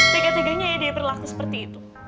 tegak tegaknya dia berlaku seperti itu